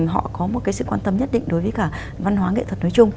họ có một cái sự quan tâm nhất định đối với cả văn hóa nghệ thuật nói chung